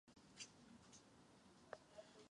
Homer a Bart jí jídlo od všech co na večírku jsou.